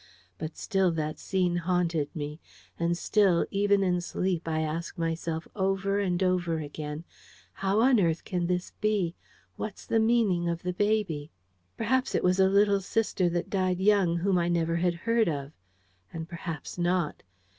But still that scene haunted me. And still, even in sleep, I asked myself over and over again, "How on earth can this be? What's the meaning of the baby?" Perhaps it was a little sister that died young, whom I never had heard of. And perhaps not.